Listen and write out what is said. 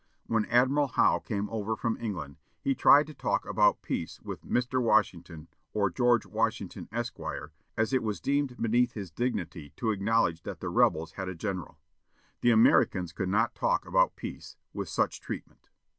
When Admiral Howe came over from England, he tried to talk about peace with "Mr." Washington, or "George Washington, Esq.," as it was deemed beneath his dignity to acknowledge that the "rebels" had a general. The Americans could not talk about peace, with such treatment.